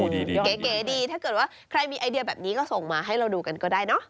เก๋ดีถ้าเกิดว่าใครมีไอเดียแบบนี้ก็ส่งมาให้เราดูกันก็ได้เนอะ